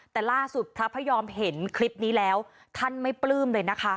แต่ล่าสุดพระพยอมเห็นคลิปนี้แล้วท่านไม่ปลื้มเลยนะคะ